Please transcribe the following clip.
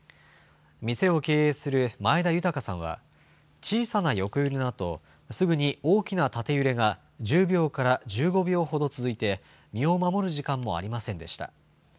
店を経営する前田豊さんは、小さな横揺れのあとすぐに大きな縦揺れが１０秒から１５秒ほど続いて身を守る時間もありませんでした。